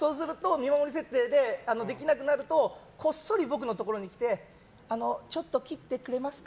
見守り設定でできなくなるとこっそり僕のところに来てちょっと切ってくれますか？